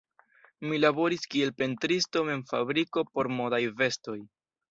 Mi laboris kiel pentristo en fabriko por modaj vestoj.